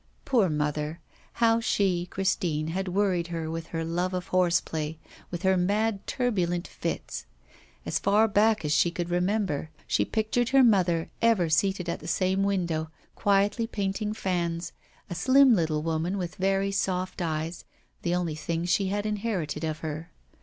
Poor mother! how she, Christine, had worried her with her love of horseplay, with her mad turbulent fits. As far back as she could remember, she pictured her mother ever seated at the same window, quietly painting fans, a slim little woman with very soft eyes, the only thing she had inherited of her.